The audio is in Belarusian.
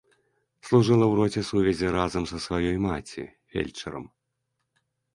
Служыла ў роце сувязі разам са сваёй маці, фельчарам.